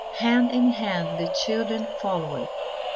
Hand in hand the children followed.